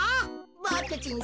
ボクちん